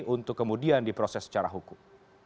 untuk kemudian diproses secara hukum